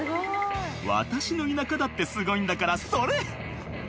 「私の田舎だってすごいんだからそれ！」